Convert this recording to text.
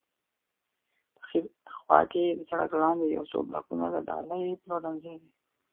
په ښي خوا کې د سړک لاندې یو څو بلاکونه د ډالۍ پلورنځی دی.